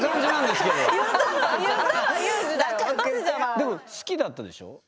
でも好きだったでしょ？